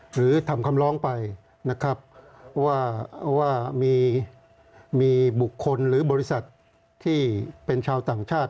หรือทำคำร้องไปนะครับว่ามีบุคคลหรือบริษัทที่เป็นชาวต่างชาติ